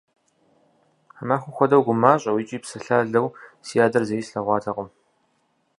А махуэм хуэдэу гумащӀэу икӀи псалъалэу си адэр зэи слъэгъуатэкъым.